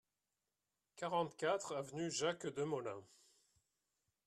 quarante-quatre avenue Jacques Demolin